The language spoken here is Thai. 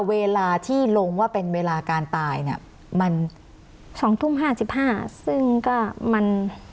เวลาที่ลงว่าเป็นเวลาการตายเนี่ยมันสองทุ่มห้าสิบห้าซึ่งก็มัน